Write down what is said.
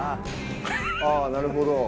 ああなるほど。